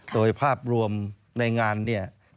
โดยภาพรวมในงานเนี่ย